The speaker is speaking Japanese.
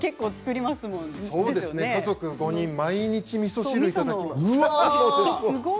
家族５人で毎日みそ汁をいただくので。